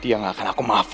dia nggak akan aku maafkan